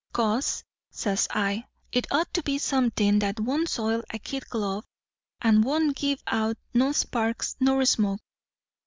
' 'Cause,' says I, 'it ought to be somethin' that won't soil a kid glove and that won't give out no sparks nor smoke.'